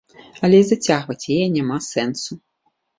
Але і зацягваць яе няма сэнсу.